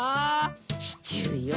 シチューよ。